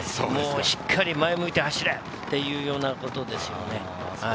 しっかり前向いて走れというようなことですよね。